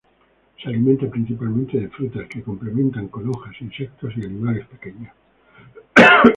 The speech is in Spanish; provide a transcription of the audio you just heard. Se alimentan principalmente de frutas, que complementan con hojas, insectos y animales pequeños.